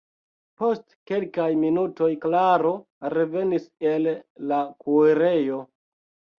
Post kelkaj minutoj Klaro revenis el la kuirejo.